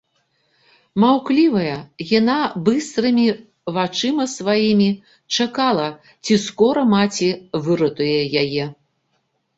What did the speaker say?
Маўклівая, яна быстрымі вачыма сваімі чакала, ці скора маці выратуе яе.